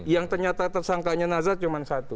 yang ternyata tersangkanya nazar cuma satu